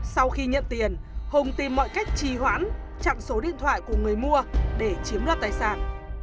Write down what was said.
sau khi nhận tiền hùng tìm mọi cách trì hoãn chặn số điện thoại của người mua để chiếm đoạt tài sản